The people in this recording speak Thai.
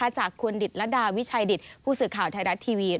จากคุณดิตระดาวิชัยดิตผู้สื่อข่าวไทยรัฐทีวี